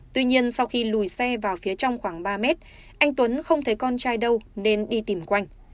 tuy nhiên sau khi lùi xe vào phía trong khoảng ba mét anh tuấn không thấy con trai đâu nên đi tìm quanh